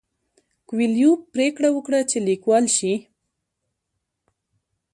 کویلیو پریکړه وکړه چې لیکوال شي.